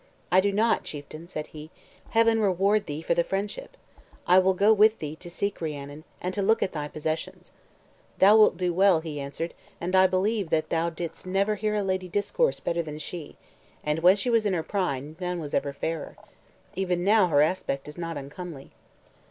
"I do not, chieftain," said he. "Heaven reward thee for the friendship! I will go with thee to seek Rhiannon, and to look at thy possessions." "Thou wilt do well," he answered; "and I believe that thou didst never hear a lady discourse better than she, and when she was in her prime, none was ever fairer. Even now her aspect is not uncomely."